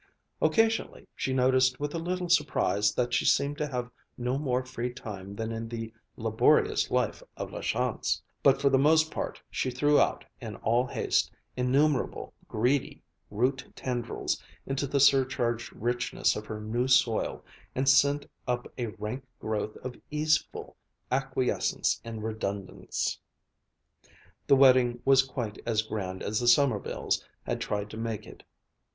Occasionally she noticed with a little surprise that she seemed to have no more free time than in the laborious life of La Chance; but for the most part she threw out, in all haste, innumerable greedy root tendrils into the surcharged richness of her new soil and sent up a rank growth of easeful acquiescence in redundance. The wedding was quite as grand as the Sommervilles had tried to make it.